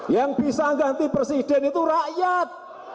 yang bisa ganti presiden itu rakyat